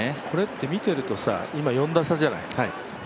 これって見てると今、４打差じゃない？